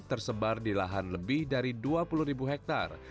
tersebar di lahan lebih dari dua puluh ribu hektare